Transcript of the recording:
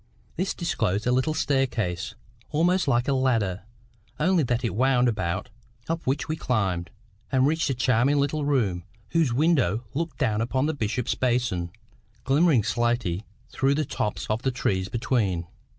This disclosed a little staircase, almost like a ladder, only that it wound about, up which we climbed, and reached a charming little room, whose window looked down upon the Bishop's Basin, glimmering slaty through the tops of the trees between.